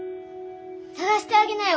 探してあげなよ！